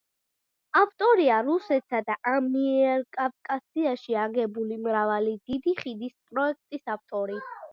ავტორია რუსეთსა და ამიერკავკასიაში აგებული მრავალი დიდი ხიდის პროექტის ავტორი.